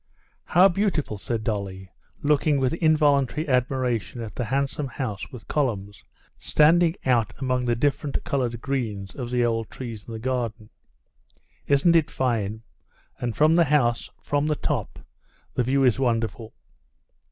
"How beautiful!" said Dolly, looking with involuntary admiration at the handsome house with columns, standing out among the different colored greens of the old trees in the garden. "Isn't it fine? And from the house, from the top, the view is wonderful."